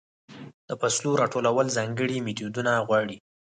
د فصلو راټولول ځانګړې میتودونه غواړي.